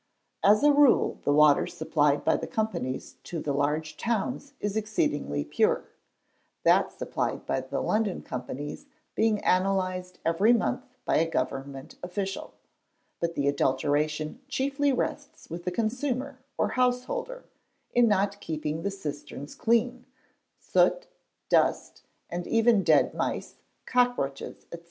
As a rule the water supplied by the companies to the large towns is exceedingly pure, that supplied by the London companies being analysed every month by a government official; but the adulteration chiefly rests with the consumer or householder, in not keeping the cisterns clean, dust, soot, and even dead mice, cockroaches, &c.